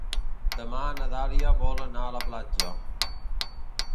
Demà na Dàlia vol anar a la platja.